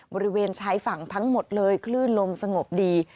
บริเวณชายฝั่งทั้งหมดเลยคลื่นลมสงบดี